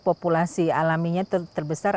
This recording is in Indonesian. populasi alaminya terbesar